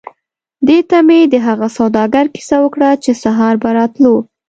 دوی ته مې د هغه سوداګر کیسه وکړه چې سهار به راتلو.